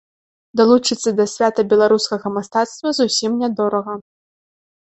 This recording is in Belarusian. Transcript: Далучыцца да свята беларускага мастацтва зусім нядорага.